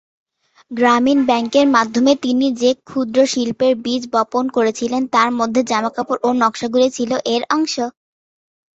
গ্রামীণ ব্যাংকের মাধ্যমে তিনি যে ক্ষুদ্র-শিল্পের বীজ বপন করেছিলেন, তার মধ্যে জামাকাপড় ও নকশাগুলি ছিল এর অংশ।